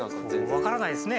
分からないですね。